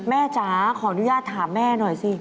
จ๋าขออนุญาตถามแม่หน่อยสิ